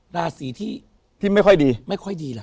ราศีที่ไม่ค่อยดี